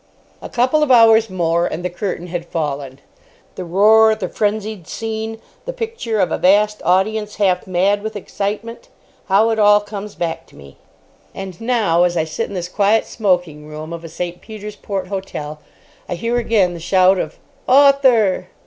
A couple of hours more, and the curtain had fallen. The roar, the frenzied scene, the picture of a vast audience, half mad with excitement—how it all comes back to me. And now, as I sit in this quiet smoking room of a St. Peter's Port hotel, I hear again the shout of "Author!"